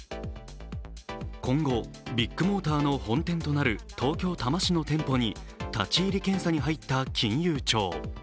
今後、ビッグモーターの本店となる東京・多摩市の店舗に立ち入り検査に入った金融庁。